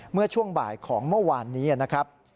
เมื่อช่วงบ่ายของเมื่อวานนี้นะครับ